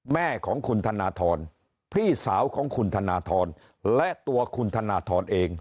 แม่ของคุณธนทรพี่สาวของคุณธนทรและตัวคุณธนทรเอง